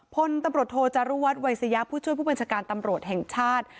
พลตำรวจโทจารุวัฒนวัยสยาผู้ช่วยผู้บัญชาการตำรวจแห่งชาติ